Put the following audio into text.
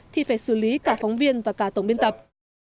thì phải xử lý cả phóng viên và cả tổng biên tập